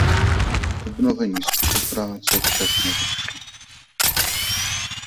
K obnovení spolupráce však nedošlo.